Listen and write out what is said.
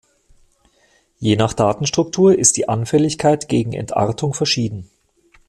Je nach Datenstruktur ist die Anfälligkeit gegen Entartung verschieden.